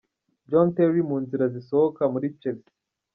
John Terry mu nzira zisohoka muri Chelsea.